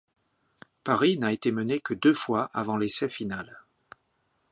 Paris n'a été mené que deux fois avant l'essai final.